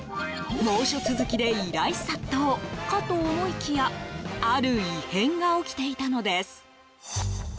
猛暑続きで依頼殺到かと思いきやある異変が起きていたのです。